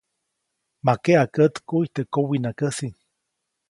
Ma keʼa kätkuʼy teʼ kowiʼnakäjsi.